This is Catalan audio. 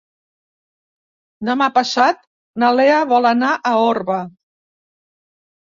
Demà passat na Lea vol anar a Orba.